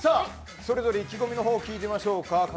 それぞれ意気込みを聞いていきましょう。